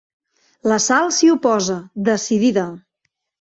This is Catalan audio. La Sal s'hi oposa, decidida.